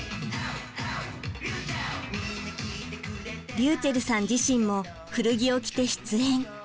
りゅうちぇるさん自身も古着を着て出演。